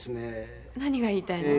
何が言いたいの？